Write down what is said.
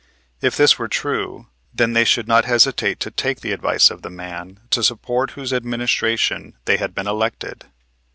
If this were true then they should not hesitate to take the advice of the man to support whose administration they had been elected.